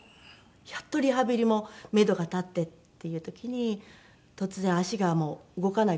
やっとリハビリもめどが立ってっていう時に突然足がもう動かないくらい麻痺し始めたんですね。